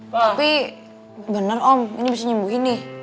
tapi bener om ini bisa nyembuhin nih